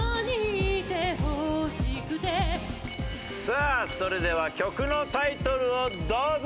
さあそれでは曲のタイトルをどうぞ！